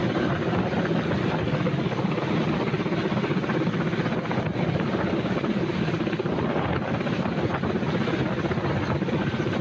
นี่